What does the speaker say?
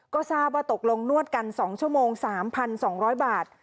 ก็ทราบว่าตกลงนวดกัน๒ชั่วโมง๓๒๐๐บาท